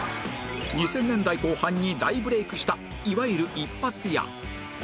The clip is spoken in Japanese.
２０００年代後半に大ブレークしたいわゆる一発屋